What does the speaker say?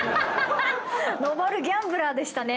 のぼるギャンブラーでしたね。